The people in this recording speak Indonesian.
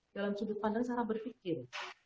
dalam sudut pandang cara berpikir